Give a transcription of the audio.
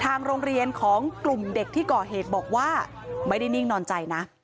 ทางโรงเรียนของกลุ่มเด็กที่ก่อเหตุบอกว่าไม่ได้นิ่งนอนใจนะ